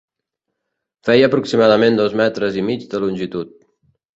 Feia aproximadament dos metres i mig de longitud.